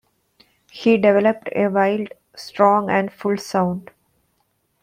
He developed a wild, strong and full sound.